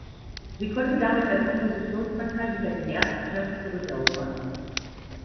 Sie konnte damit als Oppositionspartei wieder den ersten Platz zurückerobern.